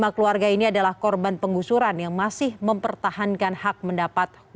tujuh puluh lima keluarga ini adalah korban penggusuran yang masih mempertahankan hak mendapatkan